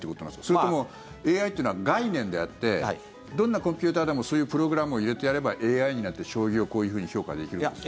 それともＡＩというのは概念であってどんなコンピューターでもそういうプログラムを入れてやればＡＩになって将棋をこういうふうに評価できるんですか？